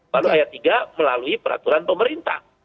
lalu ayat tiga melalui peraturan pemerintah